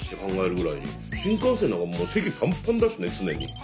新幹線なんかもう席ぱんぱんだしね常に。